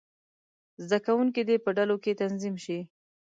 زده کوونکي دې په ډلو کې تنظیم شي.